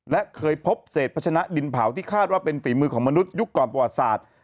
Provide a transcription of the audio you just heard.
และเคยพบเศษพัชนะดินเผาที่คาดว่าเป็นฝีมือของมนุษยุคก่อนประวัติศาสตร์